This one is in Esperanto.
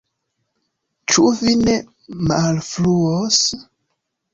Ĉu vi ne malfruos?